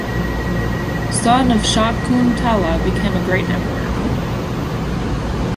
Son of Shakuntala became a great emperor.